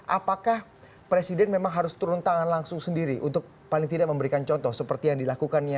apakah presiden memang harus turun tangan langsung sendiri untuk paling tidak memberikan contoh seperti yang dilakukannya